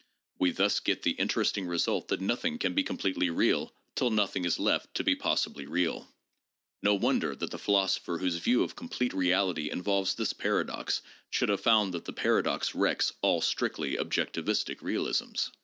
We thus get the inter esting result that nothing can be completely real till nothing is left to be possibly real. No wonder that the philosopher whose view of complete reality involves this paradox should have found that the paradox wrecks " all strictly objectivistic realisms."